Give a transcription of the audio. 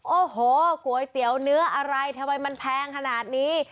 โอ้หูใกล้แปวเนื้ออะไรทำไมมันแพงขนาดนี้